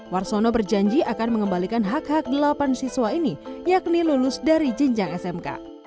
warsono berjanji akan mengembalikan hak hak delapan siswa ini yakni lulus dari jenjang smk